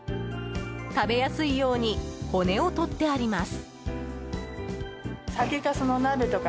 食べやすいように骨を取ってあります。